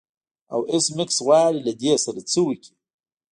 او ایس میکس غواړي له دې سره څه وکړي